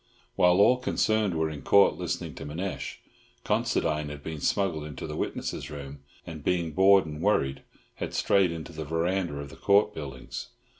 While all concerned were in Court listening to Manasseh, Considine had been smuggled into the witnesses' room and, being bored and worried, had strayed into the verandah of the Court buildings.